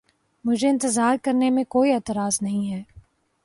مجھے اِنتظار کرنے میں کوئی اعتراض نہیں ہے۔